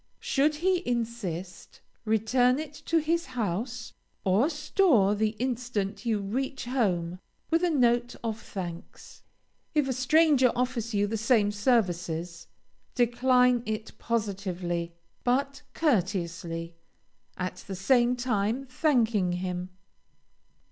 Should he insist, return it to his house or store the instant you reach home, with a note of thanks. If a stranger offers you the same services, decline it positively, but courteously, at the same time thanking him.